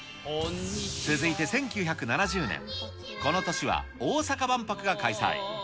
続いて１９７０年、この年は大阪万博が開催。